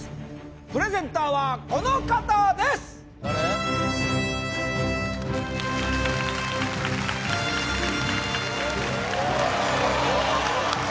プレゼンターはこの方ですおお！